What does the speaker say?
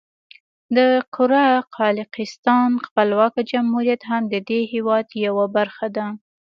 د قره قالیاقستان خپلواکه جمهوریت هم د دې هېواد یوه برخه ده.